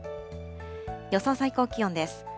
予想最高気温です。